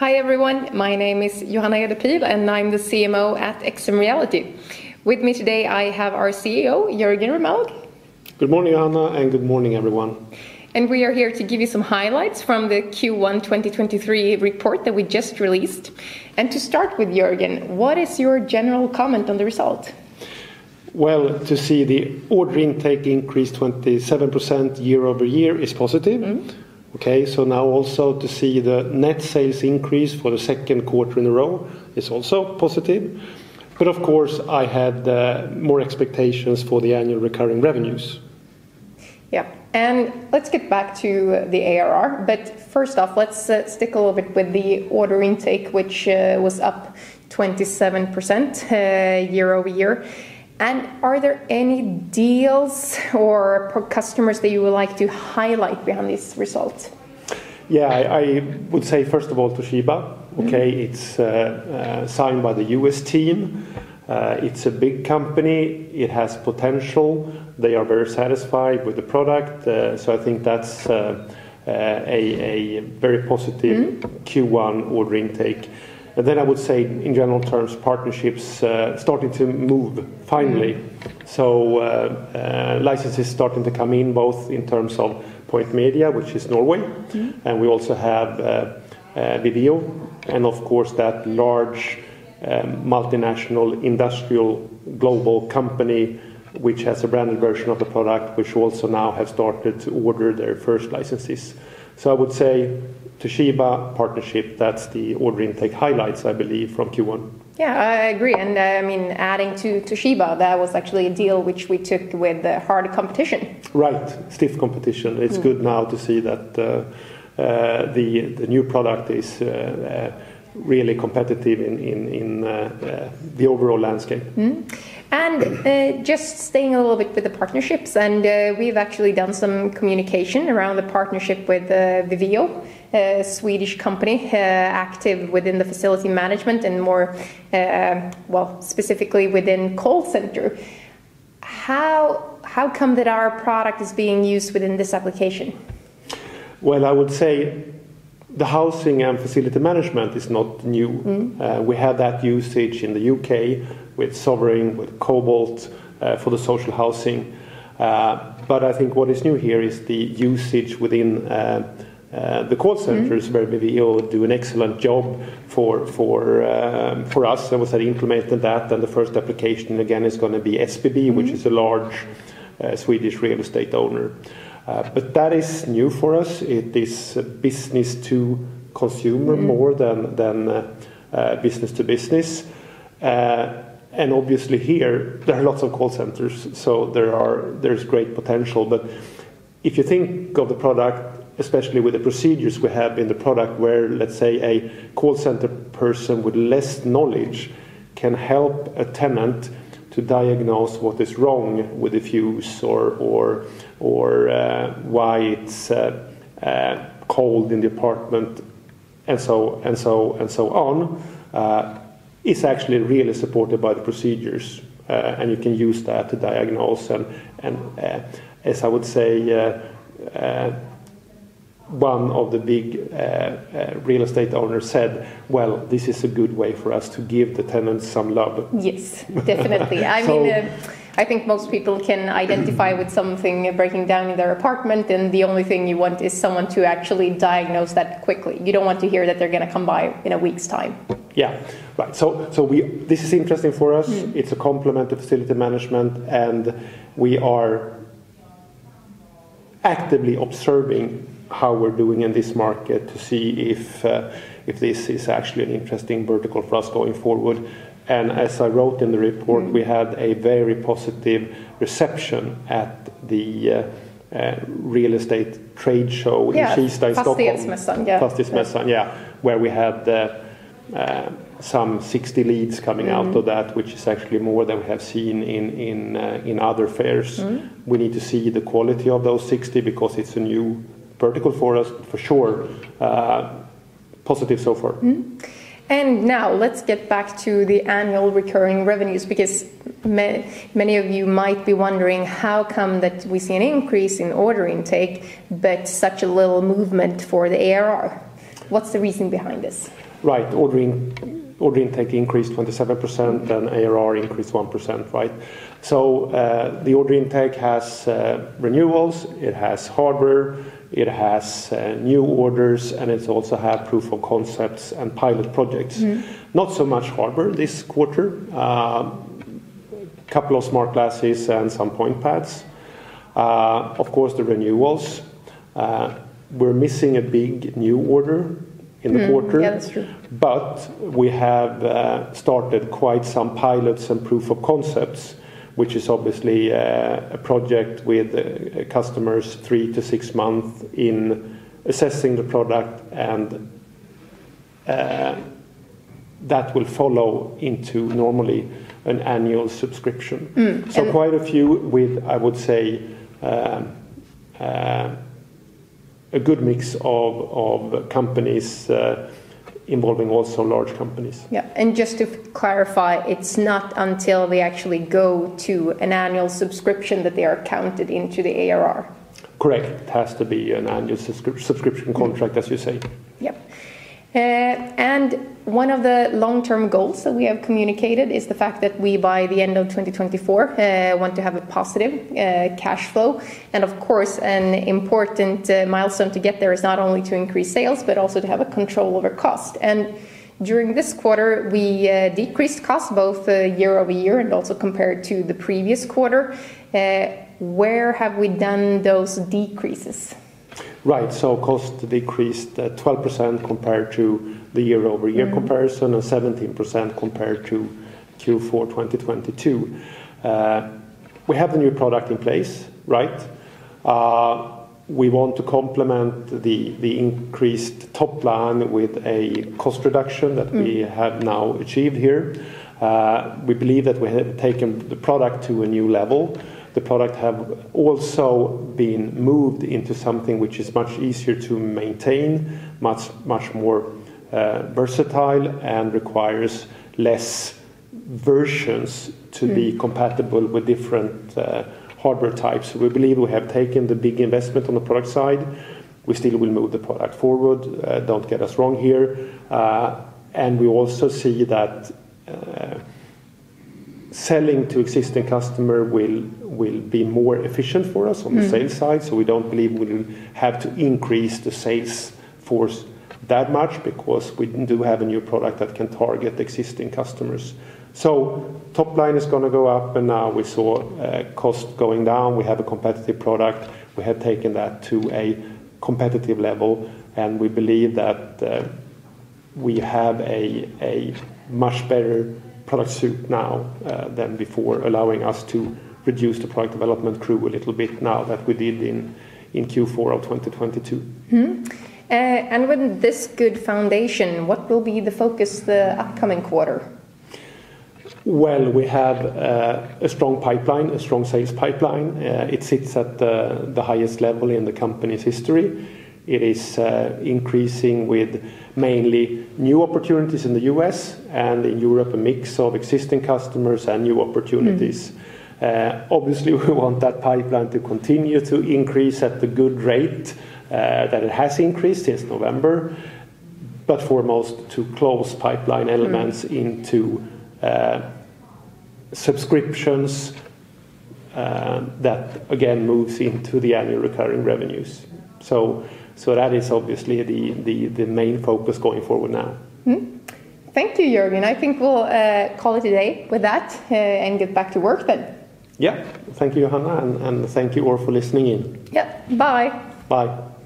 Hi, everyone. My name is Johanna Edler Pihl, and I'm the CMO at XMReality. With me today, I have our CEO, Jörgen Remmelg. Good morning, Johanna, and good morning, everyone. We are here to give you some highlights from the Q1 2023 report that we just released. To start with, Jörgen, what is your general comment on the result? To see the order intake increase 27% year-over-year is positive. Mm-hmm. Now also to see the net sales increase for the second quarter in a row is also positive. Of course, I had more expectations for the Annual Recurring Revenues. Yeah. Let's get back to the ARR. First off, let's stick a little bit with the order intake, which was up 27% year-over-year. Are there any deals or customers that you would like to highlight behind these results? Yeah. I would say, first of all, Toshiba. Mm-hmm. Okay. It's signed by the U.S. team. It's a big company. It has potential. They are very satisfied with the product. I think that's a very positive. Mm-hmm Q1 order intake. I would say in general terms, partnerships, starting to move finally. Mm-hmm. licenses starting to come in, both in terms of Pointmedia, which is Norway. Mm-hmm. We also have Viveo and of course, that large multinational industrial global company which has a branded version of the product which also now have started to order their first licenses. I would say Toshiba partnership, that's the order intake highlights, I believe, from Q1. Yeah, I agree. I mean, adding to Toshiba, that was actually a deal which we took with a hard competition. Right. Stiff competition. Mm-hmm. It's good now to see that the new product is really competitive in the overall landscape. Just staying a little bit with the partnerships, and we've actually done some communication around the partnership with Viveo, a Swedish company, active within the facility management and more, well, specifically within call center. How come that our product is being used within this application? I would say the housing and facility management is not new. Mm-hmm. We have that usage in the U.K. with Sovereign, with Cobalt, for the social housing. I think what is new here is the usage within the call centers. Mm-hmm Where Viveo do an excellent job for us. The first application, again, is gonna be SBB Mm-hmm Which is a large, Swedish real estate owner. That is new for us. It is business to consumer Mm-hmm More than business to business. Obviously here, there are lots of call centers, so there's great potential. If you think of the product, especially with the procedures we have in the product where, let's say, a call center person with less knowledge can help a tenant to diagnose what is wrong with a fuse or, why it's cold in the apartment and so on, it's actually really supported by the procedures, and you can use that to diagnose. As I would say, one of the big real estate owners said, "Well, this is a good way for us to give the tenants some love. Yes, definitely. So I mean, I think most people can identify with something breaking down in their apartment, and the only thing you want is someone to actually diagnose that quickly. You don't want to hear that they're gonna come by in a week's time. Yeah. Right. This is interesting for us. Mm-hmm. It's a complement to facility management, and we are actively observing how we're doing in this market to see if this is actually an interesting vertical for us going forward. As I wrote in the report. Mm-hmm we had a very positive reception at the real estate trade show in Kista in Stockholm. Yeah. FastighetsMässan. Yeah. FastighetsMässan. Yeah. Where we had, some 60 leads coming out. Mm-hmm Of that, which is actually more than we have seen in other fairs. Mm-hmm. We need to see the quality of those 60 because it's a new vertical for us, for sure. Positive so far. Mm-hmm. Now let's get back to the Annual Recurring Revenues because many of you might be wondering how come that we see an increase in order intake but such a little movement for the ARR. What's the reason behind this? Right. Order intake increased 27%, and ARR increased 1%, right? The order intake has renewals, it has hardware, it has new orders, and it also had proof of concepts and pilot projects. Mm-hmm. Not so much hardware this quarter. Couple of smart glasses and some Pointpads. Of course, the renewals. We're missing a big new order in the quarter. Yeah, that's true. We have started quite some pilots and proof of concepts, which is obviously, a project with customers three-six months in assessing the product and that will follow into normally an annual subscription. Mm-hmm. Yeah. Quite a few with, I would say, a good mix of companies, involving also large companies. Yeah. Just to clarify, it's not until they actually go to an annual subscription that they are counted into the ARR? Correct. It has to be an annual subscription contract, as you say. Yep. One of the long-term goals that we have communicated is the fact that we, by the end of 2024, want to have a positive cash flow. Of course, an important milestone to get there is not only to increase sales but also to have a control over cost. During this quarter, we decreased cost both year-over-year and also compared to the previous quarter. Where have we done those decreases? Right. Cost decreased at 12% compared to the year-over-year comparison and 17% compared to Q4 2022. We have a new product in place, right? We want to complement the increased top line with a cost reduction. Mm That we have now achieved here. We believe that we have taken the product to a new level. The product have also been moved into something which is much easier to maintain, much more versatile, and requires less versions Mm To be compatible with different, hardware types. We believe we have taken the big investment on the product side. We still will move the product forward, don't get us wrong here. We also see that, selling to existing customer will be more efficient for us on the sales side. Mm. We don't believe we have to increase the sales force that much because we do have a new product that can target existing customers. Top line is gonna go up, and now we saw cost going down. We have a competitive product. We have taken that to a competitive level, and we believe that we have a much better product suit now than before, allowing us to reduce the product development crew a little bit now that we did in Q4 of 2022. What will be the focus the upcoming quarter? Well, we have a strong pipeline, a strong sales pipeline. It sits at the highest level in the company's history. It is increasing with mainly new opportunities in the U.S. and in Europe, a mix of existing customers and new opportunities. Mm. obviously, we want that pipeline to continue to increase at the good rate, that it has increased since November. foremost, to close pipeline elements. Mm... into, subscriptions, that again moves into the Annual Recurring Revenues. That is obviously the, the main focus going forward now. Thank you, Jörgen. I think we'll call it a day with that, and get back to work then. Yeah. Thank you, Johanna, and thank you all for listening in. Yep. Bye. Bye.